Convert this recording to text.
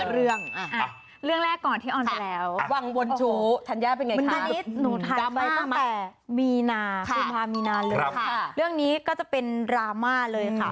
เรื่องนี้ก็จะเป็นราม่าเลยค่ะ